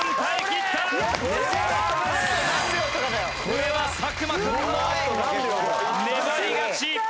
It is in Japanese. これは作間君の粘り勝ち。